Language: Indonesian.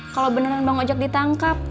kalau beneran bang ojek ditangkap